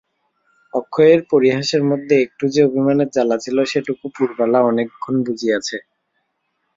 অক্ষয়ের পরিহাসের মধ্যে একটু যে অভিমানের জ্বালা ছিল, সেটুকু পুরবালা অনেকক্ষণ বুঝিয়াছে।